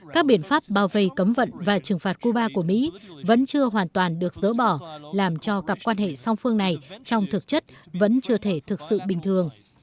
các biện pháp bao vây cấm vận và trừng phạt cuba của mỹ vẫn chưa hoàn toàn được dỡ bỏ làm cho cặp quan hệ song phương này trong thực chất vẫn chưa thể thực sự bình thường